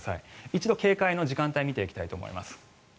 一度、警戒の時間帯を見ていきたいと思います。